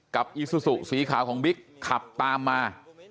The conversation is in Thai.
อีซูซูสีขาวของบิ๊กขับตามมา